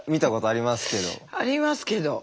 ありますけど。